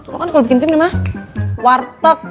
lo kan kalau bikin sim nih mah warteg